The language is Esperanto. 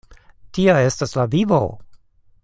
Tia estas la vivo!